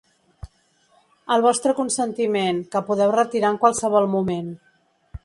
El vostre consentiment, que podeu retirar en qualsevol moment.